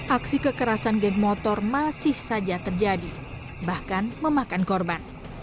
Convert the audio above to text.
aksi kekerasan geng motor masih saja terjadi bahkan memakan korban